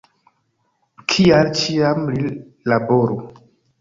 Kial ĉiam li laboru!